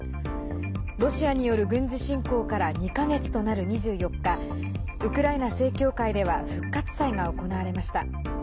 ロシアによる軍事侵攻から２か月となる２４日ウクライナ正教会では復活祭が行われました。